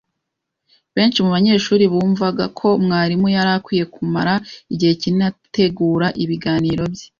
Benshi mubanyeshuri bumvaga ko mwarimu yari akwiye kumara igihe kinini ategura ibiganiro bye.